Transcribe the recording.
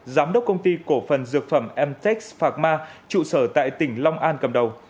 giám đốc công ty cổ phần dược phẩm emtex pharma trụ sở tại tỉnh long an cầm đầu